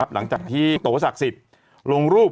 โต๊ะโต๊ะมาโต๊ะ